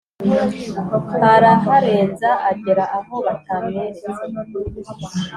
araharenza agera aho batamweretse.